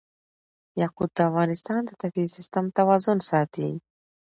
یاقوت د افغانستان د طبعي سیسټم توازن ساتي.